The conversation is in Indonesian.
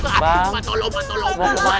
jangan jangan jangan